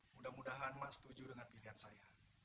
mudah mudahan mas setuju dengan pilihan saya